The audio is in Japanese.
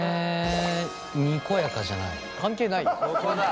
関係ないよ。